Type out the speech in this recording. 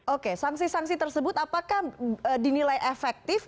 oke sangsi sangsi tersebut apakah dinilai efektif